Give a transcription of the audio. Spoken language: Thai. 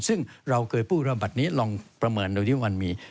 ซึ่งเราเกิดพูดว่าแบบนี้ลองประเมินดังหนึ่งวันมี